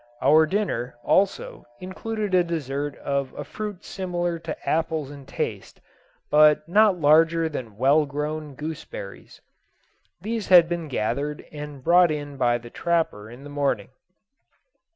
Our dinner, also, included a dessert of a fruit similar to apples in taste, but not larger than well grown gooseberries. These had been gathered and brought in by the trapper in the morning.